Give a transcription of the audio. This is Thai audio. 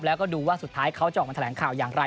แล้วก็ดูว่าสุดท้ายเขาจะออกมาแถลงข่าวอย่างไร